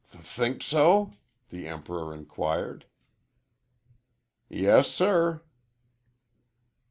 "Th think so?" the Emperor inquired. "Yes, sir."